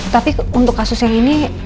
tapi untuk kasus yang ini